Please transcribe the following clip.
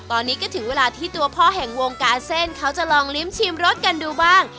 ตอนนี้ก็ถึงเวลาที่ตัวพ่อแห่งวงการเส้นเขาจะลองลิ้มชิมรสกันดูบ้าง